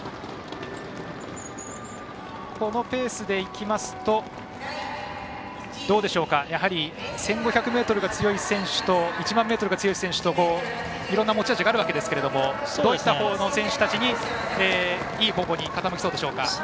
このペースでいきますと１５００ｍが強い選手と１００００ｍが強い選手といろんな持ち味があるわけですがどういった選手たちにいい方向に傾きそうでしょうか。